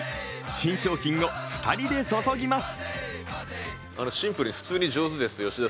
新商品を２人で注ぎます。